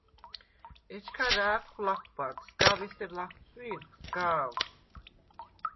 ეჩქა რა̄̈ქვხ ლახვბად: სგავ ესერ ლახცვი̄რხ, სგა̄ვ.